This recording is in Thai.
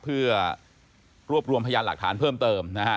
เพื่อรวบรวมพยานหลักฐานเพิ่มเติมนะฮะ